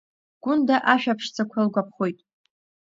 Гунда ашәаԥшӡақәа лгәаԥхоит.